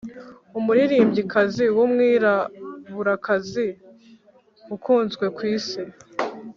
Umuririmbyikazi w’umwiraburakazi ukunzwe ku isi